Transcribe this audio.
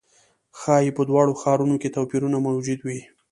ښايي په دواړو ښارونو کې توپیرونه موجود وي.